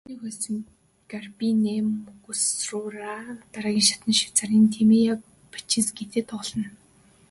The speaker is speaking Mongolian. Түүнийг хожсон Гарбинэ Мугуруса дараагийн шатанд Швейцарын Тимея Бачинскитэй тоглоно.